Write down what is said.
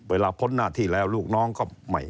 เวลาผดหน้าที่แล้วลูกน้องก็